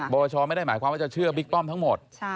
บรชไม่ได้หมายความว่าจะเชื่อบิ๊กป้อมทั้งหมด